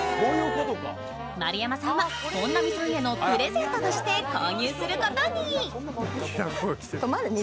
丸山さんは本並さんへのプレゼントとして購入することに。